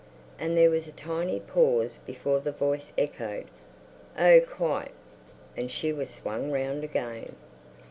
And there was a tiny pause before the voice echoed, "Oh, quite!" and she was swung round again.